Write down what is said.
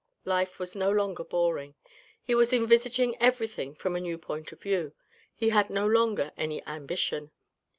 Life was no longer boring, he was envisaging everything from a new point of view, he had no longer any ambition.